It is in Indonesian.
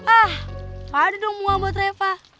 ah aduh dong bunga buat reva